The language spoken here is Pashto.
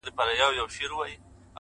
خوښې غواړو غم نه غواړو عجيبه نه ده دا-